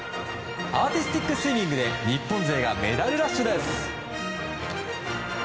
アーティスティックスイミングで日本勢がメダルラッシュです。